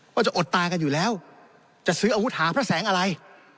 อดตากันอยู่แล้วจะซื้ออาวุธหาพระแสงอะไร